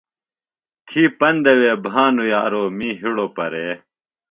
تھی پندہ وے بھانوۡ یارو می ہِڑوۡ پرے۔